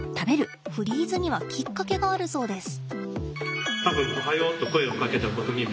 フリーズにはきっかけがあるそうです。